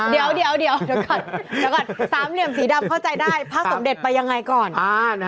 เดี๋ยวสามเหลี่ยมสีดำเข้าใจได้พระสมเด็จไปยังไงก่อน